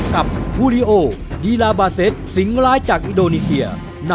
กับภูริโอลีลาบาเซ็ตสิงหร้ายจากอินโดนีเซีย